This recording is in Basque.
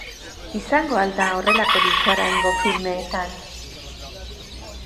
Izango al da horrelakorik oraingo filmeetan?